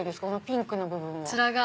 ピンクの部分は。